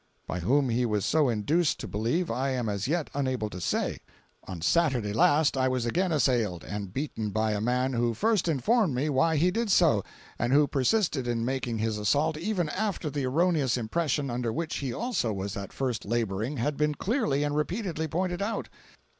By whom he was so induced to believe I am as yet unable to say. On Saturday last I was again assailed and beaten by a man who first informed me why he did so, and who persisted in making his assault even after the erroneous impression under which he also was at first laboring had been clearly and repeatedly pointed out.